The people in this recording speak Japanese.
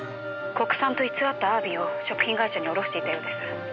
「国産と偽ったあわびを食品会社に卸していたようです」